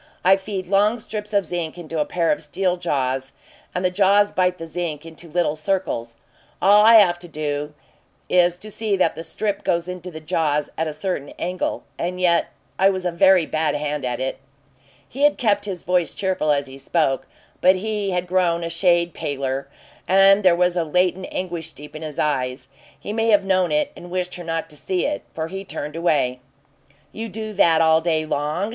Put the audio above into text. I feed long strips of zinc into a pair of steel jaws, and the jaws bite the zinc into little circles. All I have to do is to see that the strip goes into the jaws at a certain angle and yet I was a very bad hand at it." He had kept his voice cheerful as he spoke, but he had grown a shade paler, and there was a latent anguish deep in his eyes. He may have known it and wished her not to see it, for he turned away. "You do that all day long?"